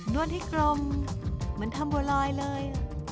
นวดให้กลมมันทำบัวรอยเลย